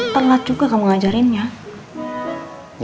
telat juga kamu ngajarinnya